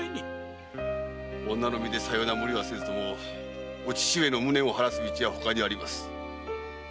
女の身でさような無理はせずともお父上の無念を晴らす道はほかにあります。